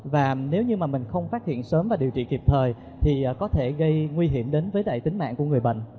và nếu như mà mình không phát hiện sớm và điều trị kịp thời thì có thể gây nguy hiểm đến với đại tính mạng của người bệnh